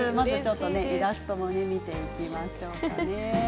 イラストも見ていきましょうかね。